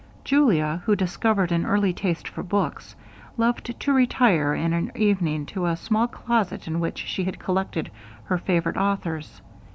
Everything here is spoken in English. Julia, who discovered an early taste for books, loved to retire in an evening to a small closet in which she had collected her favorite authors.